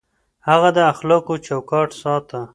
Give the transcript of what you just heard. هغه د اخلاقو چوکاټ ساته.